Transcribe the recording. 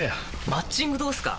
マッチングどうすか？